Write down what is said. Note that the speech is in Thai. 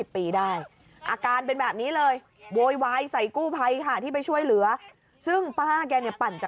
ป้าเป็นอะไรป้าเป็นอะไร